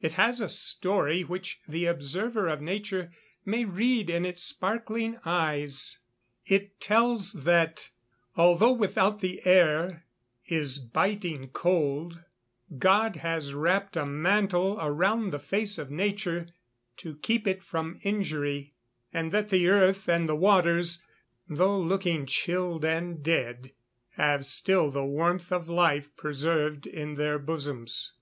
It has a story which the observer of nature may read in its sparkling eyes. It tells that, although without the air is biting cold, God has wrapped a mantle around the face of nature to keep it from injury; and that the earth and the waters, though looking chilled and dead, have still the warmth of life preserved in their bosoms.